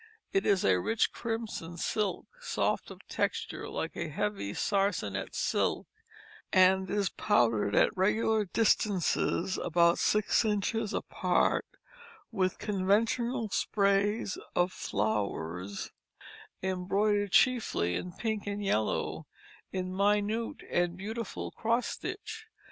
It is a rich crimson silk, soft of texture, like a heavy sarcenet silk, and is powdered at regular distances about six inches apart with conventional sprays of flowers embroidered chiefly in pink and yellow, in minute and beautiful cross stitch.